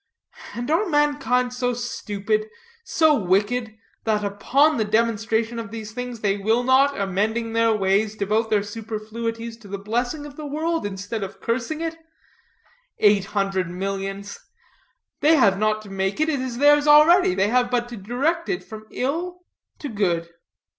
And are mankind so stupid, so wicked, that, upon the demonstration of these things they will not, amending their ways, devote their superfluities to blessing the world instead of cursing it? Eight hundred millions! They have not to make it, it is theirs already; they have but to direct it from ill to good.